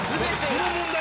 この問題